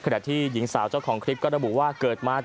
นี่นี่นี่นี่นี่